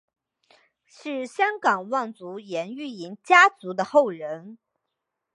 是香港望族颜玉莹家族的后人。